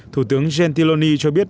thủ tướng gentiloni cho biết